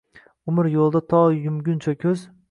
Umr yo’lida to yumguncha ko’z